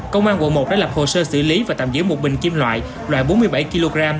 công an quận một đã lập hồ sơ xử lý và tạm giữ một bình kim loại loại bốn mươi bảy kg